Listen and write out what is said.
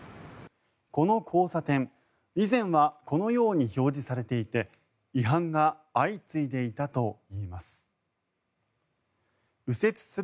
この交差点、以前はこのように表示されていて違反が相次いでいたといいます。